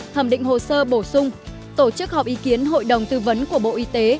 thẩm định hồ sơ bổ sung tổ chức họp ý kiến hội đồng tư vấn của bộ y tế